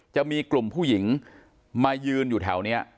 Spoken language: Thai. จะมีกลุ่มผู้หญิงมายืนอยู่แถวนี้